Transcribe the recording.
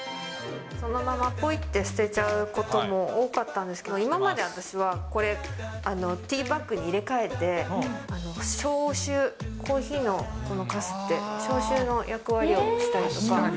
そのままぽいって捨てちゃうことも多かったんですけど、今まで私はこれ、ティーバッグに入れ替えて、消臭、コーヒーのかすって消臭の役割をしたりとか。